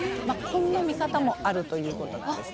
こんな見方もあるということです。